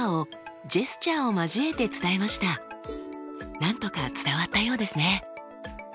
なんとか伝わったようですね。